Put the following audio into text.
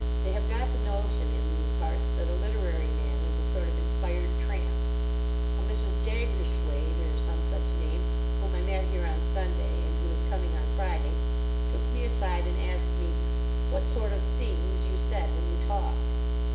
They have got the notion in these parts that a literary man is a sort of inspired tramp. A Mrs. Jaggerswade—or some such name—whom I met here on Sunday and who is coming on Friday, took me aside and asked me 'what sort of things' you said when you talked?